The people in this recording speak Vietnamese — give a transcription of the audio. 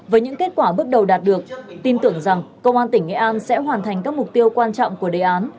với những kết quả bước đầu đạt được tin tưởng rằng công an tỉnh nghệ an sẽ hoàn thành các mục tiêu quan trọng của đề án